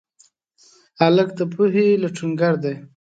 هلک د پوهې لټونګر دی.